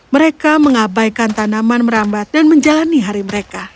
mereka mengabaikan tanaman merambat dan menjalani hari mereka